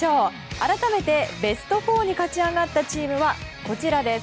改めて、ベスト４に勝ち上がったチームはこちらです。